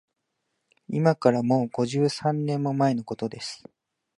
いまから、もう五十三年も前のことです